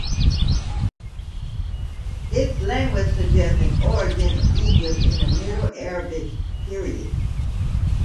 Its language suggests an origin in Egypt in the Middle Arabic period.